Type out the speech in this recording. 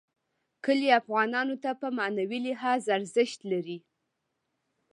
کلي افغانانو ته په معنوي لحاظ ارزښت لري.